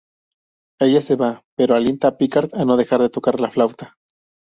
Ella se va, pero alienta a Picard a no dejar de tocar la flauta.